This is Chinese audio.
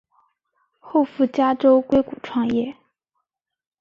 后赴加州硅谷创业。